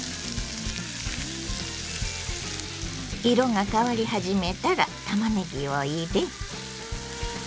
色が変わり始めたらたまねぎを入れ。